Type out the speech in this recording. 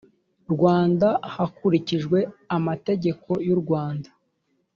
rwanda hakurikijwe amategeko y u rwanda